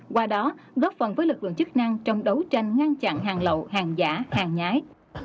qua đó góp phần với lực lượng chức năng trong đấu tranh ngăn chặn hàng lậu hàng giả hàng nhái